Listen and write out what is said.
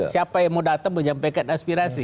siapa yang mau datang menyampaikan aspirasi